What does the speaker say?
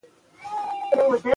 دکريم په لېدولو يې